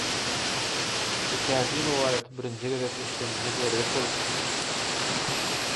Bu täsin rowaýaty birinji gezek eşdenimde-de erbet bolupdym